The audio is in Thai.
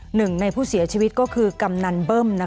หนึ่งในผู้เสียชีวิตก็คือกำนันเบิ้ม